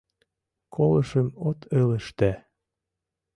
— Колышым от ылыжте...